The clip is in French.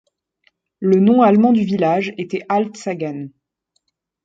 Le nom allemand du village était Alt Sagan.